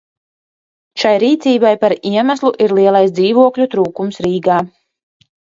Šai rīcībai par iemeslu ir lielais dzīvokļu trūkums Rīgā.